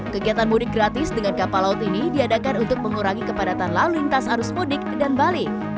kegiatan mudik gratis dengan kapal laut ini diadakan untuk mengurangi kepadatan lalu lintas arus mudik dan balik